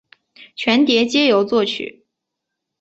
全碟皆由作曲。